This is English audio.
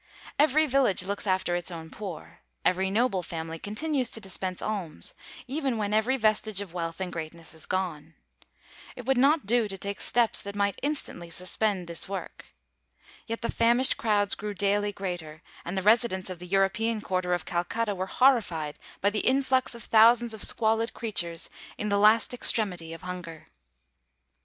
Every village looks after its own poor; every noble family continues to dispense alms, even when every vestige of wealth and greatness is gone. It would not do to take steps that might instantly suspend this work. Yet the famished crowds grew daily greater, and the residents of the European quarter of Calcutta were horrified by the influx of thousands of squalid creatures in the last extremity of hunger.